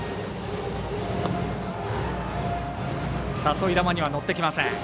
誘い球には乗ってきません。